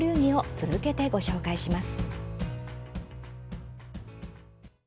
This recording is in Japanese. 続けてご紹介します。